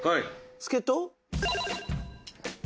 助っ人？